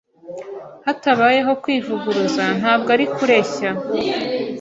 Hatabayeho kwivuguruza ntabwo ari Kureshya